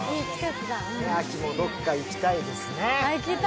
秋もどこか行きたいですね。